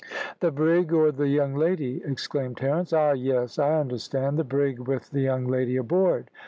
"The brig, or the young lady!" exclaimed Terence. "Ah, yes, I understand; the brig with the young lady aboard.